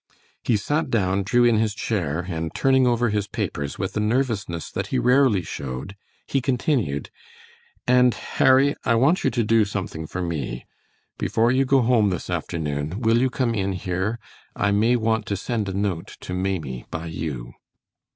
He sat down, drew in his chair, and turning over his papers with a nervousness that he rarely showed, he continued: "And, Harry, I want you to do something for me. Before you go home this afternoon, will you come in here? I may want to send a note to Maimie by you."